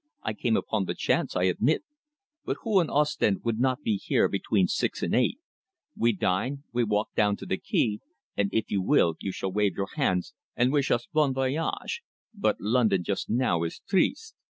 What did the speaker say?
I came upon the chance, I admit, but who in Ostend would not be here between six and eight? We dine, we walk down to the quay, and if you will, you shall wave your hands and wish us bon voyage, but London just now is triste.